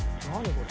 これ。